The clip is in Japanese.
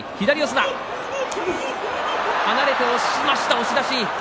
押し出し。